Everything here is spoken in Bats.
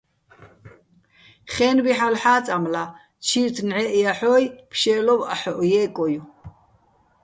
ხე́ნბი ჰ̦ალო̆ ჰ̦აწამლა, ჩირთ ნჵაჲჸ ჲაჰ̦ოჲ, ფშე́ლოვ აჰოჸ ჲე́კოჲო̆.